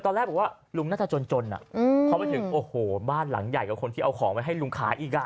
ตอนแรกบอกว่าลุงน่าจะจนพอไปถึงโอ้โหบ้านหลังใหญ่กว่าคนที่เอาของไว้ให้ลุงขายอีกอ่ะ